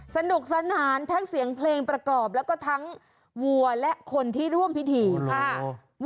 สนุกสนานทั้งเสียงเพลงประกอบแล้วก็ทั้งวัวและคนที่ร่วมพิธีค่ะ